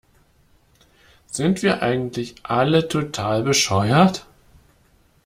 Sind wir eigentlich alle total bescheuert?